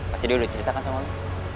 pasti dia udah ceritakan sama allah